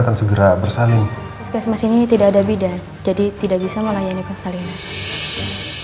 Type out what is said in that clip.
akan segera bersama puskesmas ini tidak ada bidan jadi tidak bisa melayani persalinan